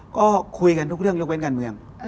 ก็คุยกันทุกเรื่องยกเว้นการเมือง